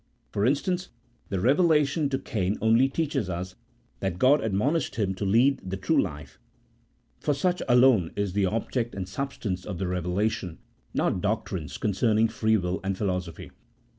For instance, the revelation to Cain only teaches us that God admonished him to lead the true lif e, for such alone is the object and substance of the revelation, not doctrines concerning free will and philosophy.